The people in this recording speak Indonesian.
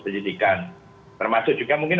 penyidikan termasuk juga mungkin